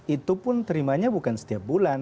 itu pun terimanya bukan setiap bulan